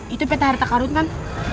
itu peta harta karun kan